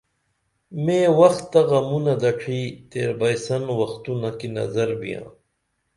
میں وخ تہ غمونہ دڇھی تیر بئیسن وختونہ کی نظر بیاں